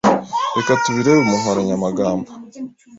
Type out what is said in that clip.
Reka tubirebe mu nkoranyamagambo.